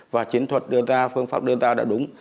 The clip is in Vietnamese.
và chiến thuật đưa ra phương pháp đưa ra đã đúng